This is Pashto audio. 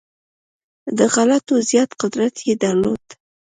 د غټولو زیات قدرت یې درلود.